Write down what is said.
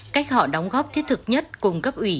cách họ đóng góp thiết thực nhất cùng cấp ủy